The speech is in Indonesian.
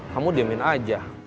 kamu diemin aja